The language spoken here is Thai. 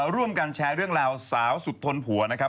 ร่วมกันแชร์เรื่องราวสาวสุดทนผัวนะครับ